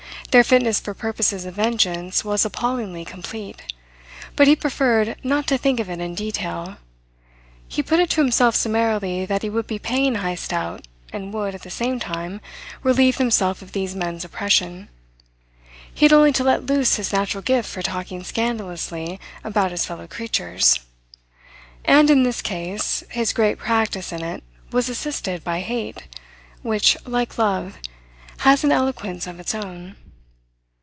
Their fitness for purposes of vengeance was appallingly complete. But he preferred not to think of it in detail. He put it to himself summarily that he would be paying Heyst out and would, at the same time, relieve himself of these men's oppression. He had only to let loose his natural gift for talking scandalously about his fellow creatures. And in this case his great practice in it was assisted by hate, which, like love, has an eloquence of its own.